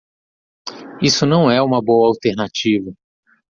Isso não é uma boa alternativa.